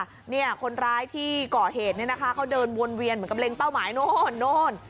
ใช่ค่ะคนร้ายที่เกาะเหตุเขาเดินวนเวียนเหมือนกับเล็งเป้าหมายโน่น